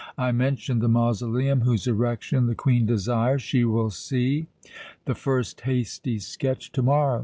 I mentioned the mausoleum, whose erection the Queen desires. She will see the first hasty sketch to morrow.